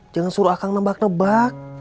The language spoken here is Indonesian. jangan suruh akan nebak nebak